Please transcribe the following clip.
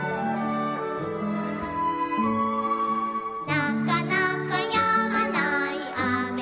「なかなかやまないあめでした」